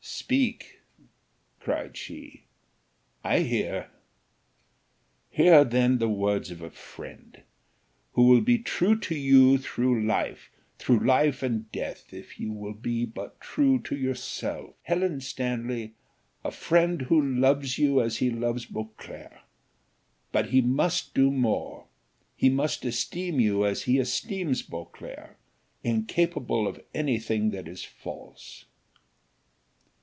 "Speak," cried she, "I hear." "Hear then the words of a friend, who will be true to you through life through life and death, if you will be but true to yourself, Helen Stanley a friend who loves you as he loves Beauclerc; but he must do more, he must esteem you as he esteems Beauclerc, incapable of any thing that is false."